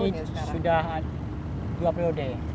ini sudah dua periode